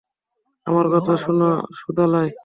আমার কথা শোন, সুদালাই।